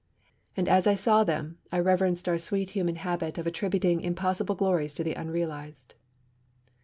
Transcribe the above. And as I saw them, I reverenced our sweet human habit of attributing impossible glories to the unrealized.